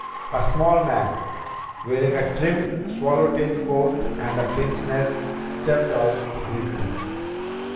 A small man, wearing a trim swallowtail coat and a pince nez, stepped out to greet them.